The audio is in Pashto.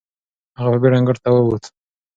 هغه په بېړه انګړ ته وووت.